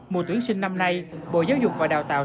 mùa tuyển sinh năm nay bộ giáo dục và đào tạo